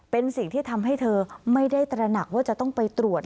เป็นสิ่งที่ทำให้เธอไม่ได้ตระหนักว่าจะต้องไปตรวจ